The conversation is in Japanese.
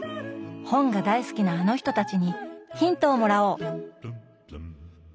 本が大好きなあの人たちにヒントをもらおう！